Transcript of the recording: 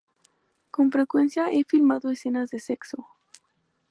Con frecuencia he filmado escenas de sexo.